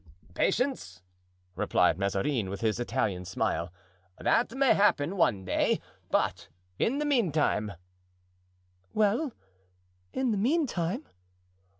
"Patience!" replied Mazarin, with his Italian smile; "that may happen one day; but in the meantime——" "Well, in the meantime?"